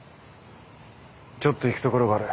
ちょっと行く所がある。